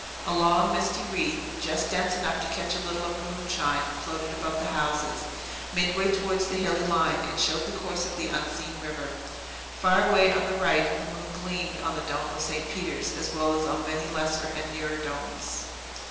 A long, misty wreath, just dense enough to catch a little of the moonshine, floated above the houses, midway towards the hilly line, and showed the course of the unseen river. Far away on the right, the moon gleamed on the dome of St. Peter's as well as on many lesser and nearer domes.